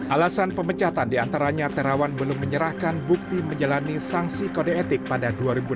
alasan pemecatan diantaranya terawan belum menyerahkan bukti menjalani sanksi kode etik pada dua ribu enam belas